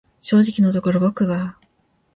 正直のところ僕は、